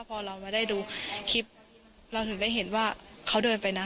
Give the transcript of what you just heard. พอเรามาได้ดูคลิปเราถึงได้เห็นว่าเขาเดินไปนะ